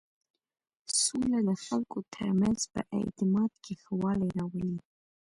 سوله د خلکو تر منځ په اعتماد کې ښه والی راولي.